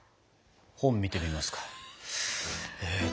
本見てみますか。